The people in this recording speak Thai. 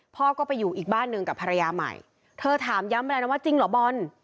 พ่อก็ไปอยู่อีกบ้านหนึ่งกับภรรยาใหม่เธอถามย้ำไปแล้วนะว่าจริงเหรอบอล